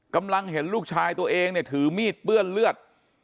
เห็นลูกชายตัวเองเนี่ยถือมีดเปื้อนเลือด